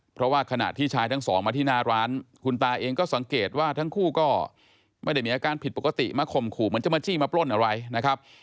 เพราะว่าขณะที่ชายทั้งสองมาที่หน้าร้านคุณตาเองก็สังเกตว่าทั้งคู่ก็ไม่ได้มีอาการผิดปกติมาข่มขู่เหมือนจะมาจี้มาปล้นอะไรนะครับ